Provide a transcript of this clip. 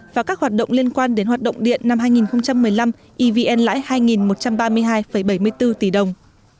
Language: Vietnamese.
và các hoạt động liên quan đến hoạt động điện năm hai nghìn một mươi năm evn lãi hai một trăm ba mươi hai bảy mươi bốn tỷ đồng